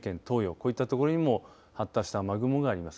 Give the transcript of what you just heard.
こういったところにも発達した雨雲があります。